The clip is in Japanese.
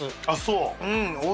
あっそう。